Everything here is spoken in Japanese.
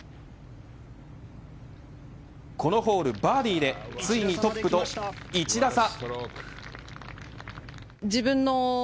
このホール、バーディーでついにトップと１打差。